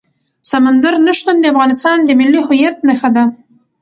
سمندر نه شتون د افغانستان د ملي هویت نښه ده.